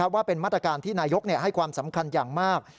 ว่าเป็นมาตรการที่นายกให้ความสำคัญอย่างมาก